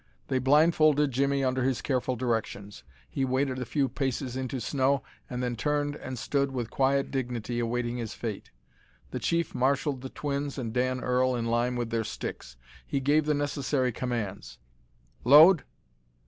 They blindfolded Jimmie under his careful directions. He waded a few paces into snow, and then turned and stood with quiet dignity, awaiting his fate. The chief marshalled the twins and Dan Earl in line with their sticks. He gave the necessary commands: "Load!